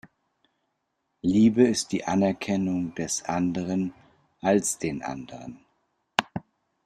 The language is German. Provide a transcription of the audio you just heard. Liebe ist die Anerkennung des Anderen als den Anderen.